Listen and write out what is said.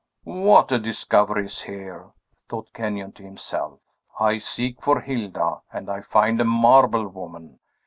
"What a discovery is here!" thought Kenyon to himself. "I seek for Hilda, and find a marble woman!